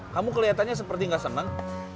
kamu kelihatannya seperti gak senang